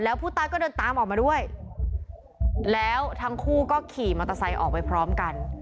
ผู้ตายก็เดินตามออกมาด้วยแล้วทั้งคู่ก็ขี่มอเตอร์ไซค์ออกไปพร้อมกัน